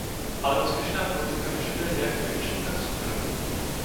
Ale úspěšná politika vyžaduje jak bič, tak cukr.